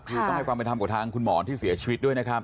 คือต้องให้ความเป็นธรรมกับทางคุณหมอที่เสียชีวิตด้วยนะครับ